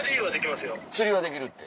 釣りはできるって。